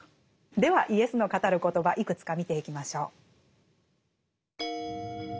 ではイエスの語る言葉いくつか見ていきましょう。